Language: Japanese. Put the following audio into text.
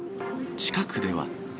近くでは。